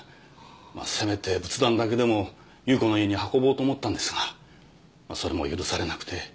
まっせめて仏壇だけでも夕子の家に運ぼうと思ったんですがそれも許されなくて。